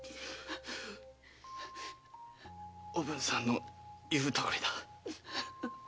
おぶんさんの言うとおりだ。